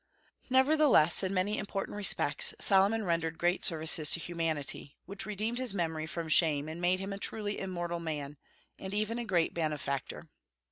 Nevertheless, in many important respects Solomon rendered great services to humanity, which redeemed his memory from shame and made him a truly immortal man, and even a great benefactor.